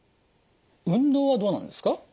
運動はどうなんですか？